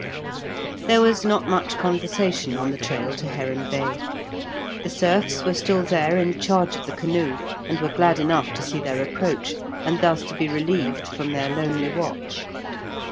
There was not much conversation on the trail to Heron Bay. The serfs were still there in charge of the canoe, and were glad enough to see their approach, and thus to be relieved from their lonely watch.